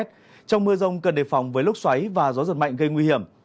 trong mưa rông cần đề phòng với lúc xoáy và gió giật mạnh gây nguy hiểm